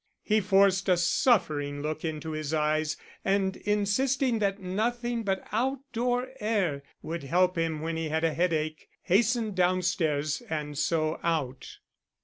He forced a suffering look into his eyes, and insisting that nothing but outdoor air would help him when he had a headache, hastened down stairs and so out.